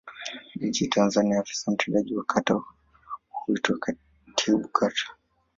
Nchini Tanzania afisa mtendaji wa kata huitwa Katibu Kata.